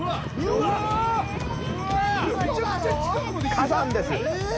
火山です。